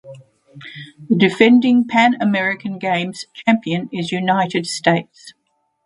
The defending Pan American Games champion is United States.